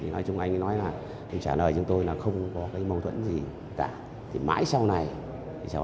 nói chung anh ấy nói là trả lời cho tôi là không có cái mâu thuẫn gì cả mãi sau này thì cháu